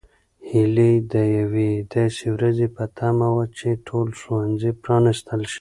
هیلې د یوې داسې ورځې په تمه وه چې ټول ښوونځي پرانیستل شي.